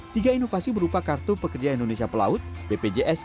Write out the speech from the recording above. tiga inovasi berupa kartu pekerja indonesia pelaut bpjs